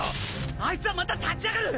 あいつはまた立ち上がる！